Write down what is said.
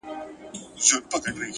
پوهه انسان آزادوي.